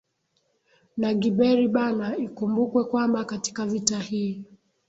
na Gberi Bana Ikumbukwe kwamba katika vita hii